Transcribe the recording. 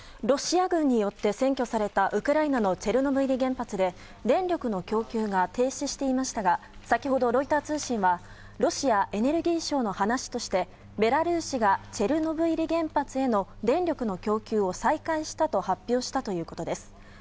ロシア軍によって占拠されたウクライナのチェルノブイリ原発で電力の供給が停止していましたが先ほどロイター通信はロシアエネルギー省の話としてベラルーシがチェルノブイリ原発への電力の供給を再開したと発表したということです。